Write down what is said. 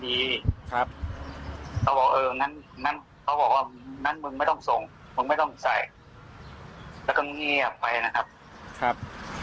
ที่เขาบอกว่าเงิน๒๐๐๐บาทจะเป็นค่าเทอมลูกอันนี้จริงไหมครับ